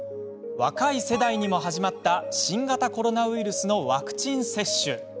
若い人たちにも始まった新型コロナウイルスのワクチン接種。